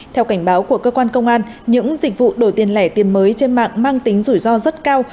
theo cảnh báo của cơ quan công an những dịch vụ đổi tiền lẻ tiền mới trên mạng mang tính rủi ro rất cao